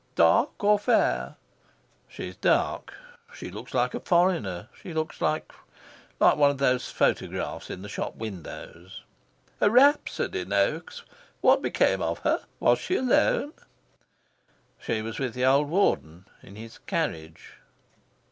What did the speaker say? "Dark or fair?" "She's dark. She looks like a foreigner. She looks like like one of those photographs in the shop windows." "A rhapsody, Noaks! What became of her? Was she alone?" "She was with the old Warden, in his carriage."